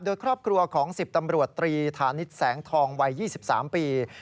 โดยครอบครัวของ๑๐ตำรวจตรีของสพกระบุรีจังหวัดระนอง